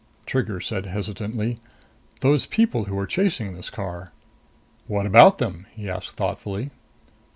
Trigger said hesitantly, "Those people who were chasing this car " "What about them?" he asked thoughtfully.